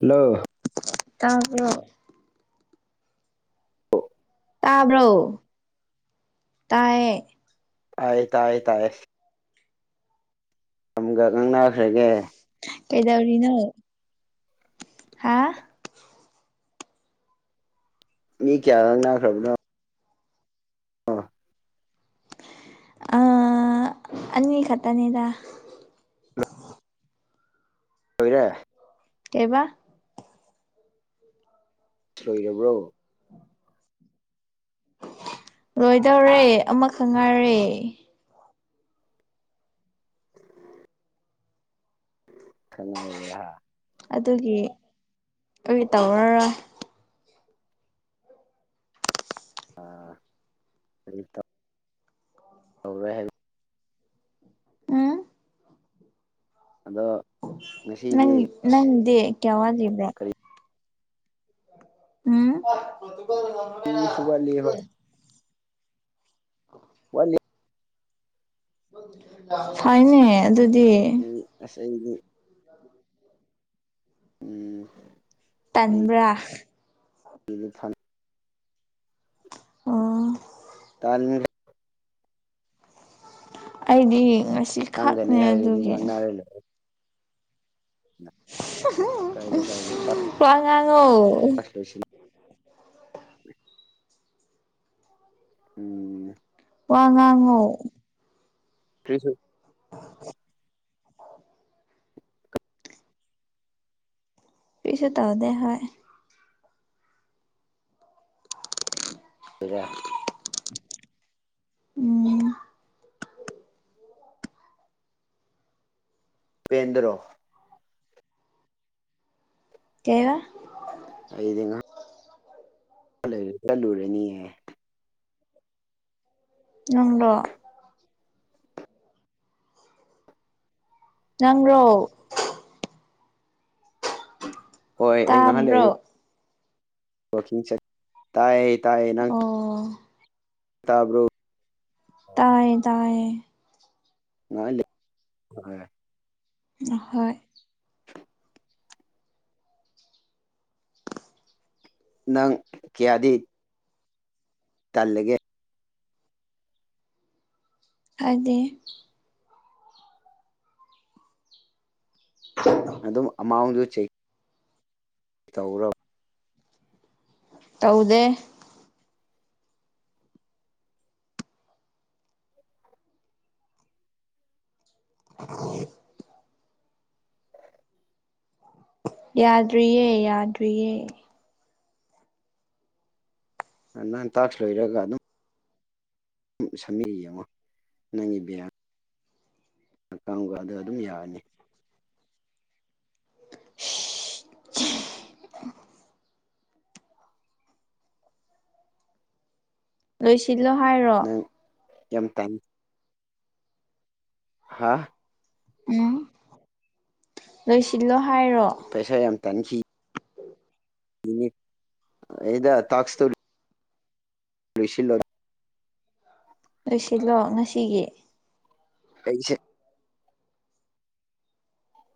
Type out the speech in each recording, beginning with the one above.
ꯍꯂꫭ ꯇꯕ꯭ꯔꫭ ꯇꯥꯕ꯭ꯔꯣ ꯇꯥꯏꯌꯦ ꯑ ꯇꯥꯏ ꯇꯥꯏ ꯃꯇꯝꯒ ꯉꯥꯡꯅꯈ꯭ꯔꯒꯦ ꯀꯩꯗꯧꯔꯤꯅꯣ ꯍꯥ ꯃꯤ ꯀꯌꯥ ꯂꯪ ꯅꯥꯈ꯭ꯔꯕꯅꯣ ꯑꯥ ꯑ ꯑꯅꯤ ꯃꯤ ꯈꯠꯇꯅꯤꯗ ꯂꯣꯏꯔꯦ ꯀꯕꯥ ꯂꯣꯏꯔꯕ꯭ꯔꯣ ꯂꯣꯏꯗꯧꯔꯦ ꯑꯃ ꯈꯪꯉꯔꯦ [inaudible] ꯈꯅꯥꯏꯔꯤ ꯑꯗꯨꯒꯤ ꯀ ꯇꯧꯔꯔꯣꯏ ꯑꯥꯠꯇ ꯑꯣ ꯔꯍ ꯑꯗꯣ ꯉꯁꯤꯗꯤ ꯅꯪ ꯅꯪꯗꯦ ꯀꯌꯥꯋꯥꯗ ꯏꯕ꯭ꯔꯣ ꯎꯝ ꯀꯔꯤꯁꯨ ꯋꯥꯠꯂꯤ ꯍꯣꯏ ꯋꯥ ꯐꯩꯅꯦ ꯑꯗꯨꯗꯤ ꯀꯗꯤ ꯎꯝ ꯇꯟꯕ꯭ꯔꯥ [unintelligible] ꯑꯣ ꯑꯗꯨꯔ ꯑꯩꯗꯤ ꯉꯁꯤ ꯉꯥꯡꯒꯅꯤ ꯈꯛꯅꯦ ꯍꯥꯏꯔꯗꯤ ꯑꯗꯨꯒꯤ ꯉꯥꯡꯅꯔ ꯂꯩ ꯀꯥꯏꯗꯦ ꯀꯥꯏꯗꯦ ꯂꯣꯏꯁꯤꯜ ꯍ ꯎꯝ ꯋꯥ ꯉꯥꯡꯉꯣ ꯍ ꯁꯔ ꯄꯤꯁꯁꯨ ꯇꯍꯗ ꯍ ꯈꯔ ꯎꯝ ꯄꯦꯟꯗ꯭ꯔꯣ ꯀꯕ ꯂꯩꯔꯒ ꯂꯨꯔꯅꯤꯍ ꯎꯪ꯭ꯔꯣ ꯅꯪ꯭ꯔꯣ ꯍꯣꯏ ꯑꯩ ꯉꯥꯏꯍꯥꯟ ꯂꯩ ꯇꯥꯕ꯭ꯔꯣ ꯋꯥꯡ ꯆ ꯇꯥꯏ ꯇꯥꯑ ꯅꯪ ꯑꯣ ꯇꯥꯕ꯭ꯔꯣ ꯇꯌꯦ ꯇꯌꯦ ꯉ ꯍ ꯍꯣꯏ ꯅꯪ ꯀ꯭ꯌꯥꯗꯤꯠ ꯇꯜꯂꯒꯦ ꯑꯗ ꯑꯗꯨꯝ ꯑꯃꯥꯎꯟꯁꯨ ꯆꯩ ꯇꯧꯔꯣ ꯇꯧꯗꯦ [unintelligible] ꯌꯥꯗ꯭ꯔꯤꯌꯦ ꯌꯥꯗ꯭ꯔꯤꯌꯦ ꯅꯥꯟ ꯇꯥꯛꯁ ꯂꯣꯏꯔꯒ ꯑꯗꯨꯝ ꯁꯃꯤꯔꯤ ꯌꯦꯡꯉꯣ ꯅꯪꯒꯤ ꯕꯤꯌꯥ ꯀꯥꯡꯕꯗ ꯑꯗꯨꯝ ꯌꯥꯔꯅꯤ [unintelligible] ꯂꯣꯏꯁꯤꯜꯂꯣ ꯍꯥꯏꯔꯣ ꯅꯪ ꯌꯥꯝ ꯊ ꯍꯥꯥ ꯎꯝ ꯂꯣꯏꯁꯤꯂꯣ ꯄꯁ ꯌꯥꯝ ꯇꯟꯍꯤ ꯏ ꯑꯦꯗ ꯇꯥꯁꯇꯣꯔꯤ ꯁꯤꯂ ꯂꯣꯏꯁꯤꯜꯂꯣ ꯉꯁꯤꯒꯤ ꯀꯩꯁꯦ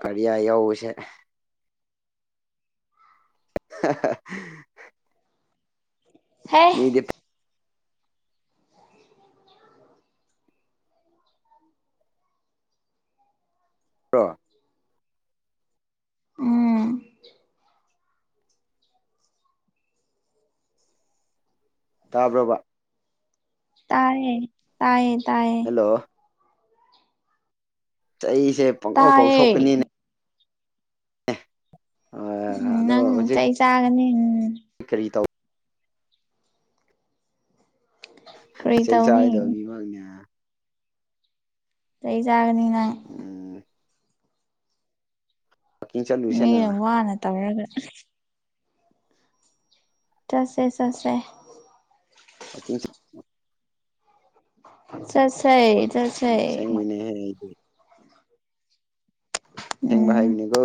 ꯐꯌꯥ ꯌꯁ ꯑ ꯍꯦ ꯃꯤꯗꯤ ꯇ ꯎꯝ ꯇꯥꯕ꯭ꯔꯕ ꯇꯥꯌꯦ ꯇꯌꯦ ꯍꯜꯂꯣ ꯆꯩꯁꯦ ꯄꯪꯉꯧ ꯇꯥꯏꯌꯦ ꯀꯧꯊꯣꯛꯄꯅꯤꯅꯦ ꯎꯝ ꯑꯗꯣ ꯅꯪ ꯍꯧꯖꯤꯛ ꯇꯩ ꯆꯒꯅꯤ ꯀꯔꯤ ꯇꯧ ꯀꯔꯤ ꯆꯩ ꯆꯥꯔꯣꯏꯗꯕ ꯇꯧꯅꯤ ꯃꯤꯃꯛꯅꯦ ꯆꯍꯤꯩ ꯆꯒꯅꯤ ꯎꯝ ꯋꯥꯛꯀꯤꯡ ꯆꯠꯂꯨꯁꯦꯅ ꯃꯤꯅ ꯋꯥꯅ ꯇꯧꯔꯒ ꯆꯁꯦ ꯆꯁꯦ ꯑꯣꯦ ꯆꯠꯁꯦ ꯆꯠꯁꯦ ꯑꯁꯦꯡꯕꯅꯦꯍꯦ ꯑꯩꯗꯤ ꯊꯦꯡꯕ ꯎꯝ ꯍꯥꯏꯕꯅꯤꯀꯣ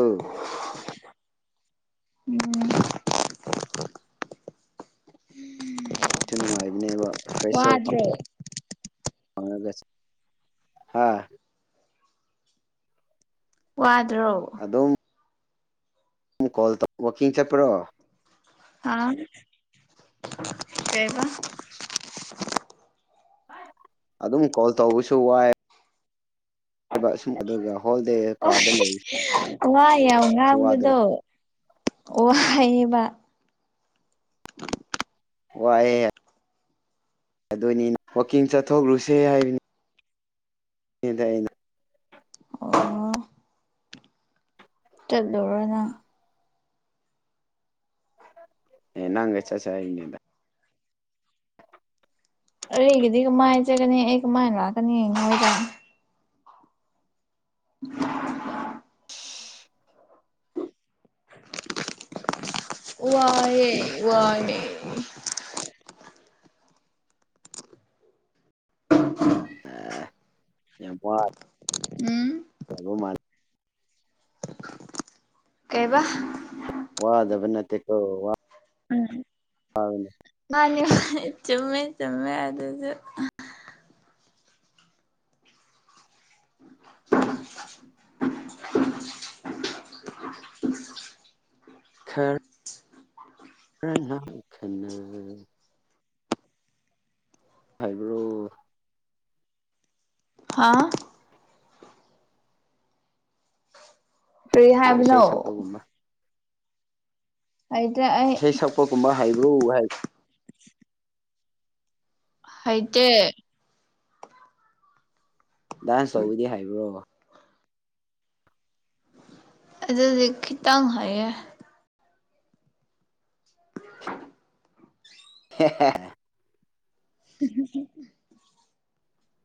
ꯎꯝ ꯁꯤ ꯅꯨꯡꯉꯥꯏꯕꯅꯦꯕ ꯋꯥꯗ꯭ꯔꯦ ꯍꯥꯥ ꯋꯥꯗ꯭ꯔꯣ ꯀꯜ ꯇ ꯋꯥꯀꯤꯡ ꯆꯄ꯭ꯔꯣ ꯑ ꯀꯕ ꯑꯗꯨꯝ ꯀꯣꯜ ꯇꯧꯕꯁꯨ ꯋꯥꯏ ꯍꯥꯏꯨꯝ ꯑꯗꯨꯒ ꯍꯣꯜ ꯗꯦ ꯀꯥꯗ ꯂꯩꯔꯤ ꯋꯥꯏ ꯌꯥꯝ ꯉꯥꯡꯕꯗꯣ ꯋꯥꯌꯦꯕ ꯊ ꯋꯥꯑ ꯌꯥ ꯑꯗꯨꯅꯤ ꯋꯥꯛꯀꯤꯡ ꯆꯠꯊꯣꯛꯂꯨꯁꯦ ꯍꯥꯏꯕꯅꯤ ꯍꯗꯗ ꯇꯂꯔꯅ ꯅꯒ ꯆꯠ ꯆꯅꯤꯗ ꯒꯤꯗꯤꯒ ꯃꯥꯏ ꯆꯦ ꯀꯅꯤ ꯑꯦ ꯃꯥꯏ ꯂ ꯀꯅꯤꯗ [unintelligible] ꯋꯥꯔꯦ ꯋꯥꯅꯦ [inaudible] ꯑ ꯌꯥꯝꯄ ꯎꯝ ꯃꯥ ꯀꯩꯕ ꯋꯥꯗꯕ ꯅꯠꯇ ꯀꯣ ꯋꯥ ꯎꯝ ꯃꯥꯅꯤ ꯆꯨꯝꯃꯦ ꯆꯨꯝꯃꯦ ꯑꯗꯨꯁꯨ [unintelligible] [inaudible] ꯈꯔ ꯈꯔꯅ ꯈꯅ ꯍꯥꯏꯩꯕ꯭ꯔꯣ ꯍꯥꯥ ꯄꯔꯤ ꯍꯥꯏꯕꯅꯣ ꯏꯁꯩ ꯁꯛꯄꯒꯨꯝꯕ ꯍꯩꯇ꯭ꯔꯦ ꯑꯩ ꯏꯁꯩ ꯁꯛꯄꯒꯨꯝꯕ ꯍꯩꯕ꯭ꯔꯨ ꯍꯥꯏ ꯍꯥꯏꯗꯤ ꯗꯥꯟꯁ ꯇꯧꯕꯗꯤ ꯍꯥꯏꯕ꯭ꯔꯣ ꯑꯗꯈꯤ ꯇꯥꯡꯃ ꯍꯥꯏꯌꯦ [inaudible] [inaudible] ꯎ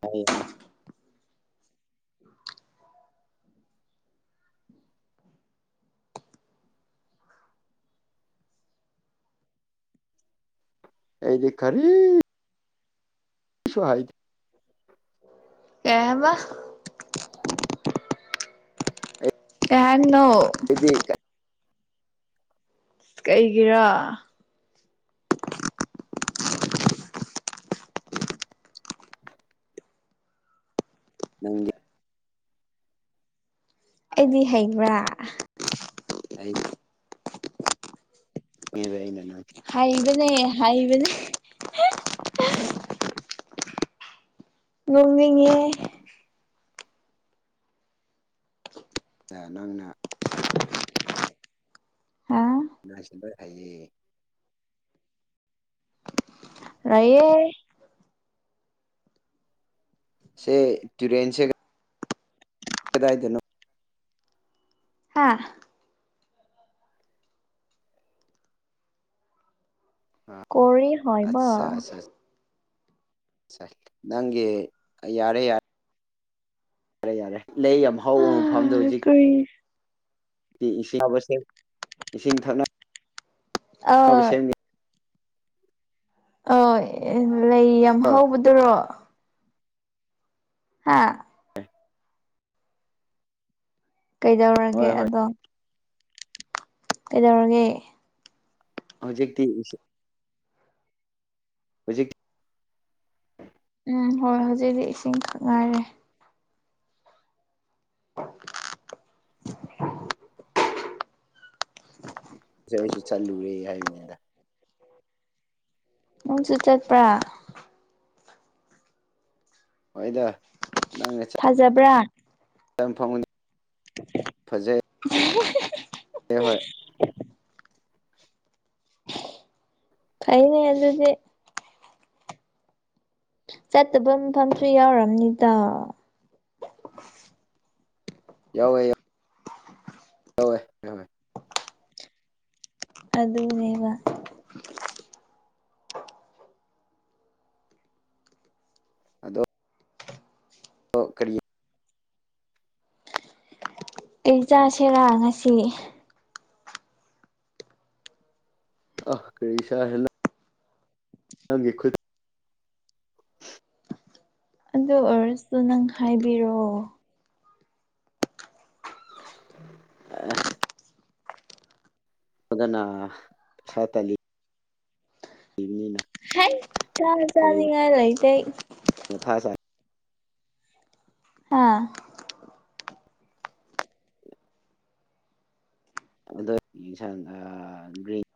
ꯍ ꯍꯥꯏ ꯑꯩꯗꯤ ꯈꯔ ꯁ ꯍꯥꯏꯗꯤ ꯑꯦ ꯋꯥ ꯑꯦ ꯅꯣ ꯑꯩꯗꯤ ꯀꯩꯒꯤꯔ ꯅꯪ ꯑꯩꯗꯤ ꯍꯩꯕ꯭ꯔꯥ ꯑꯩ ꯏꯅꯦ ꯃ ꯍꯥꯏꯕꯅꯤ ꯉꯣꯡꯉꯉꯦ ꯑ ꯅꯪꯅ ꯍꯥ ꯁꯤꯕ ꯍꯥꯏꯌꯦ ꯔꯌꯦ ꯁꯦ ꯇꯨꯔꯦꯟꯁ ꯍꯗꯥꯏꯗꯅꯣ ꯍꯥꯥ ꯀ ꯍ ꯁ ꯅꯪꯒꯤ ꯌꯥꯔꯦ ꯌꯥꯔꯦ ꯌꯥꯔꯦ ꯌꯥꯔꯦ ꯂꯩ ꯌꯥꯝ ꯍꯥ ꯍꯧꯕ ꯃꯐꯝꯗꯣ ꯍꯧꯖꯤꯛ ꯀꯔꯤ ꯏꯁꯤꯡꯕꯁꯦ ꯏꯁꯤꯡ ꯊꯛꯅꯕ ꯑ ꯑ ꯂꯩ ꯌꯥꯝ ꯍꯧꯕꯗꯨꯔꯣ ꯍꯥꯥ [inaudible] ꯀꯩꯗꯧꯔꯒꯦ ꯍꯣꯏ ꯍꯣꯏ ꯑꯗꯣ ꯀꯩꯗꯧꯔꯒꯦ ꯍꯧꯖꯤꯛꯇꯤ ꯍꯧꯖꯤꯛ ꯎꯝ ꯍꯣꯏ ꯍꯧꯖꯤꯛ ꯍꯧꯖꯤꯛ ꯏꯁꯤꯡ ꯉꯥꯏꯔꯦ [unintelligible] ꯁꯤ ꯑꯩꯁꯨ ꯆꯠꯂꯨꯔꯦ ꯍꯥꯏꯕꯅꯤꯗ ꯃ ꯆ ꯆꯠꯄ꯭ꯔꯥ ꯑꯣꯏꯗ ꯊꯖꯕ꯭ꯔꯥ ꯇꯝ ꯐꯝꯅꯤ ꯎ ꯁ ꯍꯣꯏ ꯀꯥꯏꯅꯦ ꯑꯗꯨ ꯑꯗꯨꯗꯤ ꯆꯠꯇꯕ ꯃꯐꯝꯁꯨ ꯌꯥꯎꯝꯅꯤꯗ ꯌꯥꯎꯒ ꯍꯋꯣꯏ ꯍꯣꯏ ꯑꯗꯨꯅꯦꯕ ꯑ ꯀꯔꯤ ꯑꯩ ꯆꯁꯤꯔꯥ ꯉꯁꯤ ꯑ ꯀꯔꯤꯁꯥ ꯍꯂ ꯅꯪꯒꯤ ꯈꯨꯠ ꯑꯗꯨ ꯑꯣꯏꯔꯁꯨꯁꯨ ꯅꯪ ꯍꯥꯏꯕꯤꯔꯛꯑꯣ ꯑ ꯃꯒꯅꯥ ꯄꯁꯥꯇꯂꯤ ꯍ ꯆꯥ ꯆꯥꯅꯤꯡꯉꯥꯏ ꯂ ꯏꯇ ꯃ ꯊ ꯁꯥ ꯑꯥ ꯑꯗꯣ ꯌꯦꯟꯁꯥꯡ ꯒ꯭ꯔꯤꯟ꯫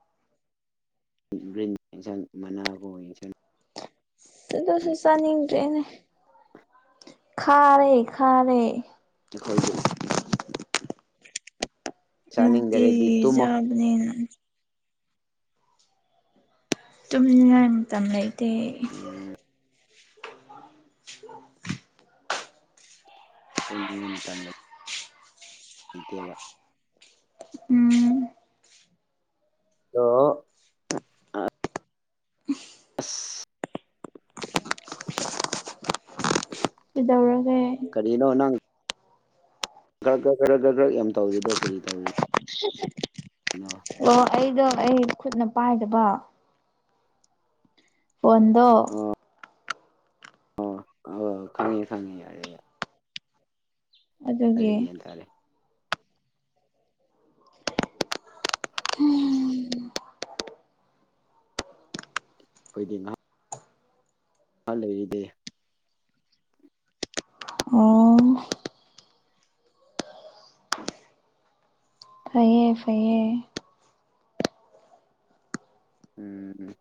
ꯒꯔꯤꯟ ꯑꯦꯟꯁꯪ ꯃꯅꯥꯒꯣ ꯌꯦꯡꯁꯪ꯫ ꯁꯤꯗꯁꯨ ꯆꯥꯅꯤꯡꯗꯔ꯭ꯦꯅꯦ ꯈꯥꯔꯦ ꯈꯥꯔꯦ꯫ ꯑꯩꯈꯣꯏꯗ꯫ ꯅꯨꯡꯇꯤꯒꯤ ꯆꯥꯅꯤꯡꯗꯔꯗꯤ ꯇꯨꯝꯃꯣ ꯆꯥꯕꯅꯦꯅ꯫ ꯇꯨꯝꯅꯤꯉꯥꯏ ꯃꯥꯇꯝ ꯂꯩꯇꯦ꯫ ꯎꯝ [unintelligible] ꯇꯣꯏꯗꯤ ꯇꯝꯅꯩ ꯂꯩꯇꯦꯕ꯫ ꯎꯝ꯫ ꯑ꯫ ꯑꯁ꯫ ꯀꯩꯗꯧꯔ꯫ ꯀꯔꯤꯅꯣꯅꯪ꯫ ꯈ꯭ꯔꯛ ꯈ꯭ꯔ ꯈ꯭ꯔ ꯌꯥꯝ ꯇꯧꯔꯤꯗꯣ ꯀꯔꯤ ꯇꯧꯔꯤ꯫ [unintelligible] ꯅꯣ꯫ ꯑꯣ ꯑꯩꯗꯣ ꯑꯩ ꯈꯨꯠꯅ ꯄꯥꯏꯗꯕ꯫ ꯐꯣꯟꯗꯣ꯫ ꯑꯣ ꯑꯣ ꯑ ꯈꯪꯉꯦ ꯈꯪꯉꯦ ꯌꯥꯔꯦ ꯌꯥꯔꯦ꯫ ꯇꯥꯏ ꯑꯗꯨꯒꯤ ꯒꯤꯌꯟ ꯇꯥꯔꯦ꯫ ꯍꯝ꯫ ꯑꯣꯏꯗꯤ ꯉꯍꯥ꯫ ꯍ ꯂꯩꯔꯤꯗ꯫ ꯎꯝ꯫ ꯐꯩꯌꯦ ꯐꯩꯌꯦ꯫ ꯎꯝ ꯎꯝ꯫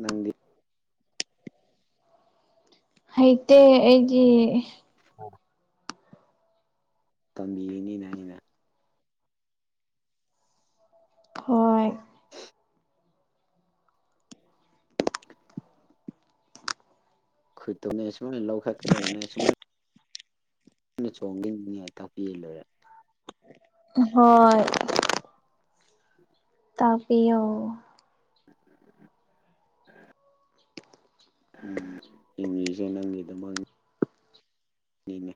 ꯅꯪꯗꯤ꯫ ꯍꯩꯇꯦ ꯑꯩꯒꯤ꯫ [unintelligible] ꯇꯝꯕꯤꯔꯤꯅꯤꯅ ꯑꯩꯅ꯫ ꯍꯣꯏ꯫ ꯈꯨꯠꯇꯨꯅꯦ ꯁꯨꯃꯥꯏꯅ ꯂꯧꯈꯠꯀꯗꯕꯅꯦ ꯁꯨꯃꯥꯏꯅ꯫ ꯅ ꯆꯣꯡꯈꯤꯟꯅꯤꯡꯉꯥꯏ ꯇꯥꯛꯄꯤꯔ ꯂꯣꯏꯔꯦ꯫ ꯍꯣꯏ꯫ ꯇꯥꯄꯤꯌꯣ꯫ ꯏꯤꯡꯂꯤꯁꯦ ꯅꯪꯒꯤꯗꯃꯛꯅꯤ꯫ ꯏꯅꯦ꯫